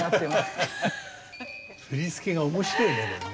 振付が面白いねこれね。